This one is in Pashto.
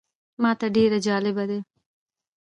ماته ډېر جالبه دی.